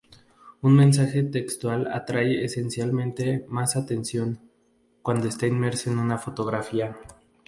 Un mensaje textual atrae esencialmente más la atención, cuando esta inmerso en una fotografía.